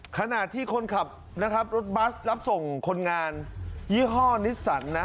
ขณะที่คนขับนะครับรถบัสรับส่งคนงานยี่ห้อนิสสันนะ